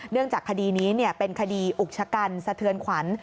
จากคดีนี้เป็นคดีอุกชะกันสะเทือนขวัญ